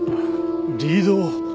リードを。